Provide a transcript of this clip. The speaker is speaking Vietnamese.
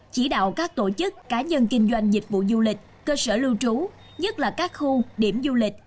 chỉ đạo các tổ chức cá nhân kinh doanh dịch vụ du lịch cơ sở lưu trú nhất là các khu điểm du lịch